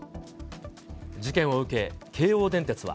事件を受け、京王電鉄は。